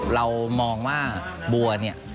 เรามองว่าบัวเนี่ย